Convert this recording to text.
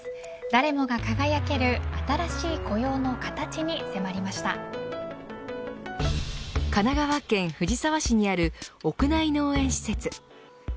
誰もが輝ける新しい雇用の形に神奈川県藤沢市にある屋内農園施設。